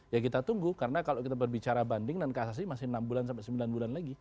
ya kita tunggu karena kalau kita berbicara banding dan kasasi masih enam bulan sampai sembilan bulan lagi